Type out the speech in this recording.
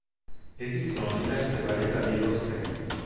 Esistono diverse varietà di rossetti.